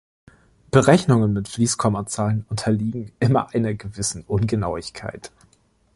Berechnungen mit Fließkommazahlen unterliegen immer einer gewissen Ungenauigkeit.